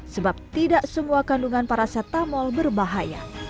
sebab tidak semua kandungan paracetamol berbahaya